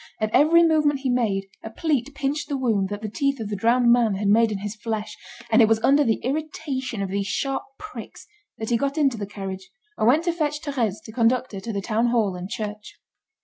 At every movement he made, a pleat pinched the wound that the teeth of the drowned man had made in his flesh, and it was under the irritation of these sharp pricks, that he got into the carriage, and went to fetch Thérèse to conduct her to the town hall and church.